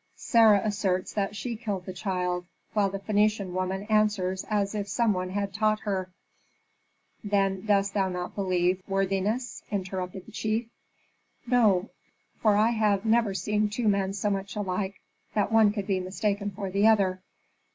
Sarah asserts that she killed the child, while the Phœnician woman answers as if some one had taught her " "Then dost thou not believe, worthiness?" interrupted the chief. "No, for I have never seen two men so much alike that one could be mistaken for the other.